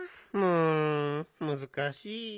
プンむずかしい。